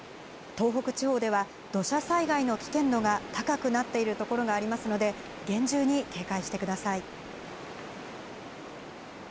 東北地方では、土砂災害の危険度が高くなっている所がありますので、厳重に警戒してください。